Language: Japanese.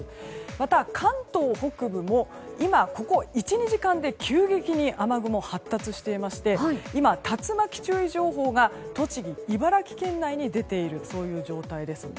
また、関東北部も今、ここ１２時間で急激に雨雲が発達していまして今、竜巻注意情報が栃木、茨城県内に出ている状態です。